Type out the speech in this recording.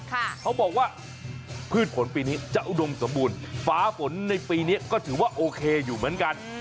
เขาบอกว่าพืชผลปีนี้จะอุดมสมบูรณ์ฟ้าฝนในปีนี้ก็ถือว่าโอเคอยู่เหมือนกัน